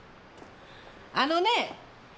あのねえ！